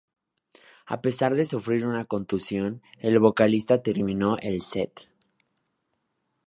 A pesar de sufrir una contusión, el vocalista terminó el set.